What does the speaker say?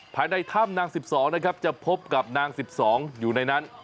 ภายในถ้ำนาง๑๒นะครับจะพบกับนาง๑๒อยู่ในนั้น